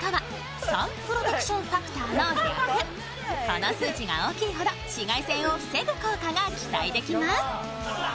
この数値が大きいほど紫外線を防ぐ効果が期待できます。